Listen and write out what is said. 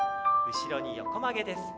後ろに横曲げです。